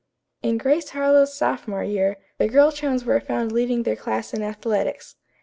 In "GRACE HARLOWE'S SOPHOMORE YEAR," the girl chums were found leading their class in athletics.